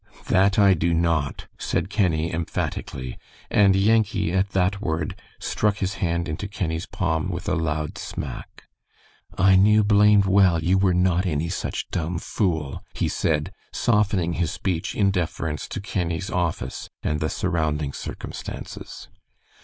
"That I do not," said Kenny, emphatically, and Yankee, at that word, struck his hand into Kenny's palm with a loud smack. "I knew blamed well you were not any such dumb fool," he said, softening his speech in deference to Kenny's office and the surrounding circumstances.